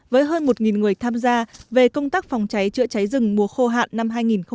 với hơn một người tham gia về công tác phòng cháy chữa cháy rừng mùa khô hạn năm hai nghìn hai mươi